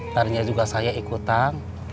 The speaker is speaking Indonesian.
ternyata juga saya ikutan